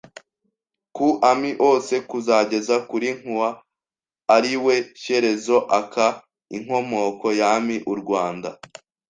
ku ami ose kuzageza kuri Nkua ari we Shyerezo aka inkomoko y’Ami ’u Rwanda